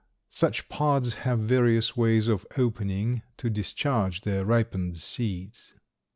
Such pods have various ways of opening to discharge their ripened seeds.